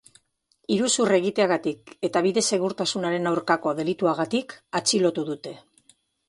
Iruzur egiteagatik eta bide-segurtasunaren aurkako delituagatik atxilotu dute.